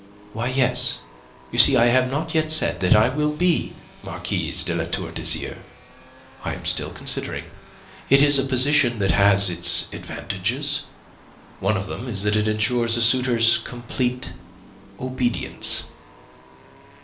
"Why, yes. You see, I have not yet said that I will be Marquise de La Tour d'Azyr. I am still considering. It is a position that has its advantages. One of them is that it ensures a suitor's complete obedience."